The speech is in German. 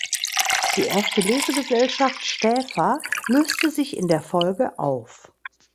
Die erste Lesegesellschaft Stäfa löste sich in der Folge auf.